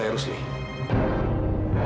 aku harus bertemu dengan rizky